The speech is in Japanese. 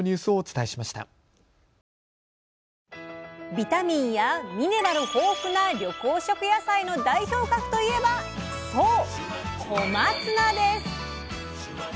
ビタミンやミネラル豊富な緑黄色野菜の代表格といえばそう「小松菜」です！